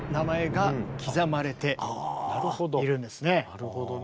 なるほどね。